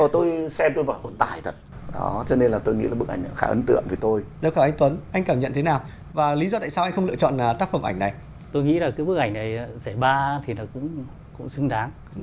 tôi nghĩ là bức ảnh này giải ba thì cũng xứng đáng